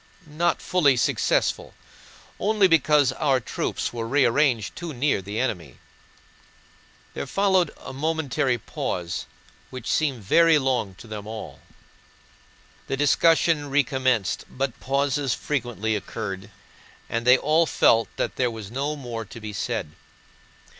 not fully successful, only because our troops were rearranged too near the enemy...." There followed a momentary pause, which seemed very long to them all. The discussion recommenced, but pauses frequently occurred and they all felt that there was no more to be said.